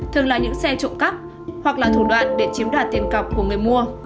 thường là những xe trộm cắp hoặc là thủ đoạn để chiếm đoạt tiền cọc của người mua